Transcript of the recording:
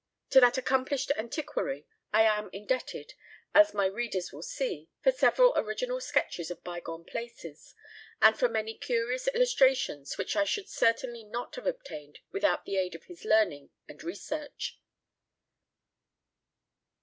To that accomplished antiquary I am indebted, as my readers will see, for several original sketches of bygone places, and for many curious illustrations which I should certainly not have obtained without the aid of his learning and research.